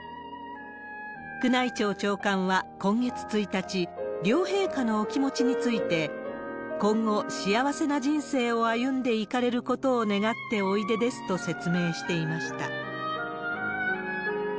宮内庁長官は今月１日、両陛下のお気持ちについて、今後、幸せな人生を歩んでいかれることを願っておいでですと説明していました。